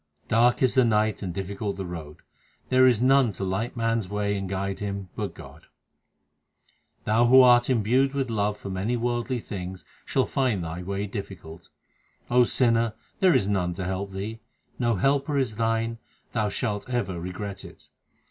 Dark is the night and difficult the road. There is none to light man s way and guide him but God : Thou who art imbued with love for many worldly things shall find thy way difficult. O sinner, there is none to help thee ; No helper is thine ; thou shalt ever regret it.